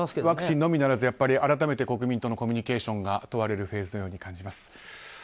ワクチンのみならず改めて国民とのコミュニケーションが問われるフェーズのように感じます。